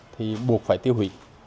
thì buộc phải tiêu hủy